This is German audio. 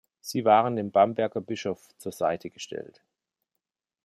Sie waren dem Bamberger Bischof zur Seite gestellt.